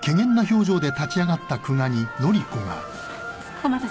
お待たせ。